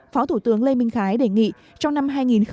phó thủ tướng lê minh khái đề nghị trong năm hai nghìn hai mươi